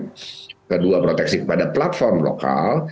yang kedua proteksi kepada platform lokal